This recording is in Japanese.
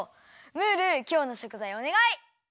ムールきょうのしょくざいをおねがい！